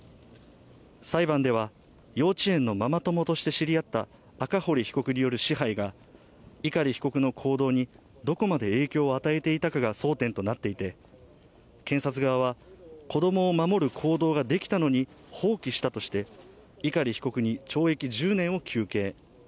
裁判では、幼稚園のママ友として知り合った赤堀被告による支配が碇被告の行動にどこまで影響を与えていたかが争点となっていて、検察側は、子供を守る行動ができたのに放棄したとして、碇被告に懲役１０年を求刑。